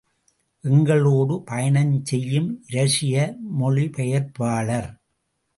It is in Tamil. எங்களோடு பயணஞ் செய்யும் இரஷிய மொழிபெயர்ப்பாளர்.